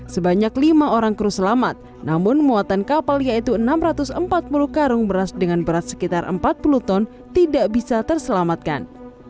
sebanyak lima orang kru selamat namun muatan kapal yaitu enam ratus empat puluh karung beras dengan berat sekitar empat puluh ton tidak bisa terselamatkan